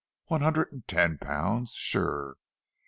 One hundred and ten pounds, sure.